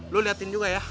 loe liatin juga ya